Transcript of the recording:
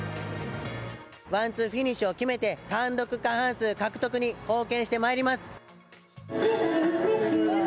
ワンツーフィニッシュを決めて、単独過半数獲得に貢献してまいります。